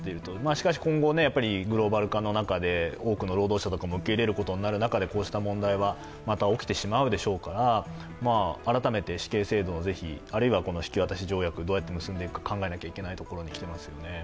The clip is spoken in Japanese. しかし今後、グローバル化の中で多くの労働者とかも受け入れる中でこうした問題はまた起きてしまうでしょうから改めて死刑制度をぜひ、あるいは引き渡し条約をどうやって結んでいくか考えなければいけないところに来ていますよね。